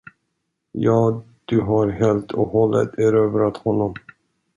Ja, du har helt och hållet erövrat honom.